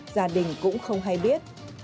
gia đình cũng không hay biết